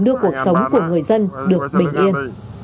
đưa cuộc sống của người dân được bình yên